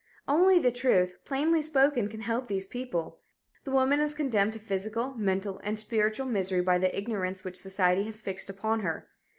Only the truth, plainly spoken, can help these people. The woman is condemned to physical, mental and spiritual misery by the ignorance which society has fixed upon her.